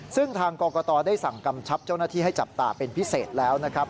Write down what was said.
ซึ่งทางกรกตได้สั่งกำชับเจ้าหน้าที่ให้จับตาเป็นพิเศษแล้วนะครับ